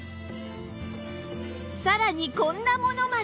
さらにこんなものまで